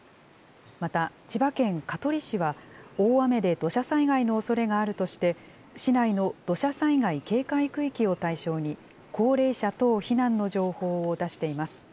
また千葉県香取市は、大雨で土砂災害のおそれがあるとして、市内の土砂災害警戒区域を対象に、高齢者等避難の情報を出しています。